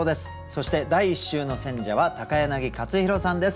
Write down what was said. そして第１週の選者は柳克弘さんです。